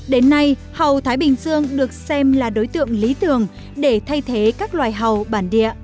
đến nay hầu thái bình dương được xem là đối tượng lý tưởng để thay thế các loài hầu bản địa